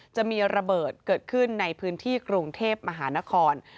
จะมีระเบิดเกิดขึ้นในพื้นที่กรุงเทพมหานคร